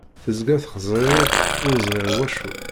Tezga txeẓẓer-iyi-d, ur ẓriɣ iwacu!